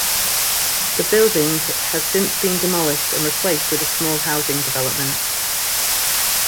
The building has since been demolished and replaced with a small housing development.